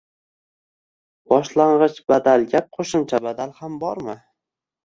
Boshlang‘ich badalga qo‘shimcha "badal" ham bormi?